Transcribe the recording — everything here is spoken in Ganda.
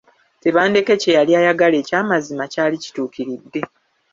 Tebandeke kye yali ayagala ekyamazima kyali kituukiridde.